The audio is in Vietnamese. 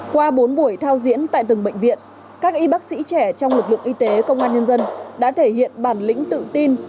qua bốn buổi thao diễn tại từng bệnh viện các y bác sĩ trẻ trong lực lượng y tế công an nhân dân đã thể hiện bản lĩnh tự tin